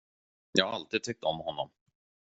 Jag har alltid tyckt om honom.